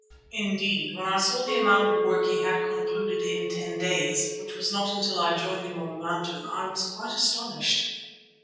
Indeed, when I saw the amount of work he had concluded in ten days, which was not until I joined him on the mountain, I was quite astonished.